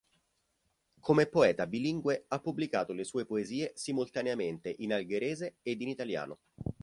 Come poeta bilingue ha pubblicato le sue poesie simultaneamente in algherese ed in italiano.